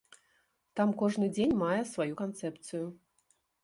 Там кожны дзень мае сваю канцэпцыю.